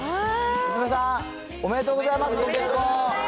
娘さん、おめでとうございます！